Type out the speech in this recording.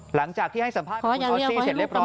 หลังจากที่ให้สัมภาพของคุณออสซี่เสร็จเรียบร้อยแล้วครับ